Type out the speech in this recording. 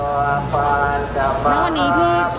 วันนี้พี่ทำใจได้แล้วหรือยังคะ